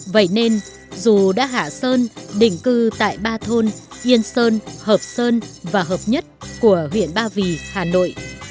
vậy nên dù đã hạ sơn định cư tại ba thôn yên sơn hợp sơn và hợp nhất của huyện ba vì hà nội